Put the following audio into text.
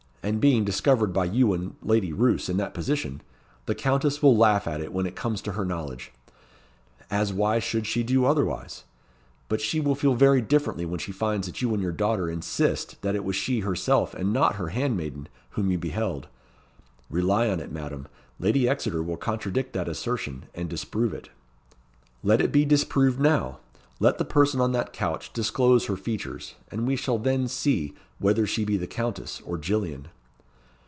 and being discovered by you and Lady Roos in that position, the Countess will laugh at it when it comes to her knowledge as why should she do otherwise? But she will feel very differently when she finds that you and your daughter insist that it was she herself, and not her handmaiden, whom you beheld. Rely on it, Madam, Lady Exeter will contradict that assertion, and disprove it." "Let it be disproved now. Let the person on that couch disclose her features, and we shall then see whether she be the Countess or Gillian."